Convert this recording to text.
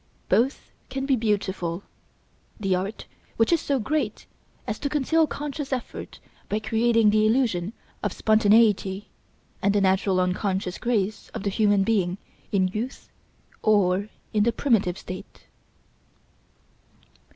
Both can be beautiful; the art which is so great as to conceal conscious effort by creating the illusion of spontaneity, and the natural unconscious grace of the human being in youth or in the primitive state.